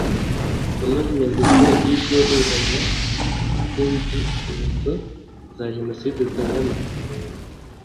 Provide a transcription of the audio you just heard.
V kunoza inyandiko y igereranya ry inzibutso za jenoside za nyamata